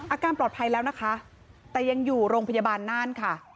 อาการปลอดภัยแล้วนะคะแต่ยังอยู่โรงพยาบาลน่านค่ะ